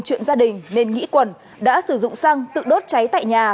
chuyện gia đình nên nghĩ quần đã sử dụng xăng tự đốt cháy tại nhà